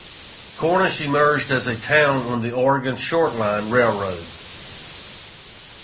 Cornish emerged as a town on the Oregon Short Line Railroad.